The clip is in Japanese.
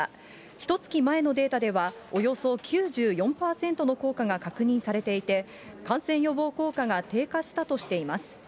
ひとつき前のデータでは、およそ９４％の効果が確認されていて、感染予防効果が低下したとしています。